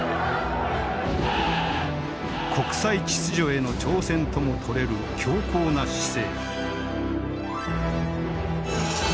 国際秩序への挑戦ともとれる強硬な姿勢。